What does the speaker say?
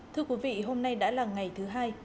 thưa quý vị hôm nay đã là ngày thứ hai